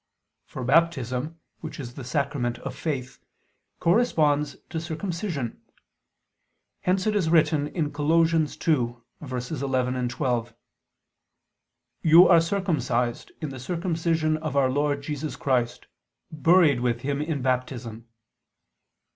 For Baptism, which is the sacrament of Faith, corresponds to circumcision. Hence it is written (Col. 2:11, 12): "You are circumcised ... in the circumcision of" Our Lord Jesus "Christ: buried with Him in Baptism."